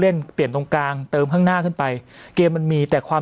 เปลี่ยนเปลี่ยนตรงกลางเติมข้างหน้าขึ้นไปเกมมันมีแต่ความ